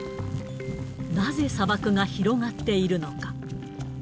なぜ砂漠が広がっているのか。